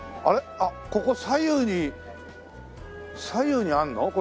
あっここ左右に左右にあるの？